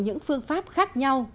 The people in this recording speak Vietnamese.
những phương pháp khác nhau